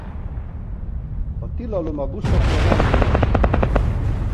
A tilalom a buszokra nem vonatkozik.